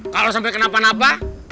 kalau sampai kenapa napa